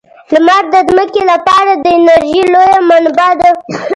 لمر د ځمکې لپاره د انرژۍ لویه منبع ده.